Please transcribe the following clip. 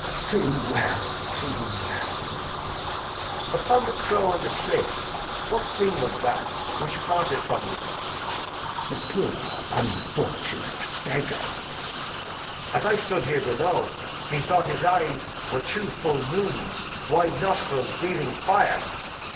Glost. Too well, too well. Edg. Upon the Brow o' th' Cliff, what Thing was that Which parted from you ? Glost. A poor unfortunate Beggar. Edg. As I stood here below, methought his Eyes Were two fuU Moons, wide Nostrils breathing Fire.